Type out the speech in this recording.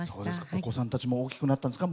お子さんたちも大きくなったんですか？